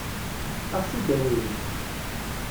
Ad ɣ-t-id-awin?